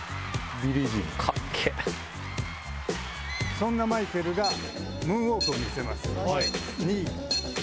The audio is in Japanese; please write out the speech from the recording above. そんなマイケルがムーンウォークを見せます。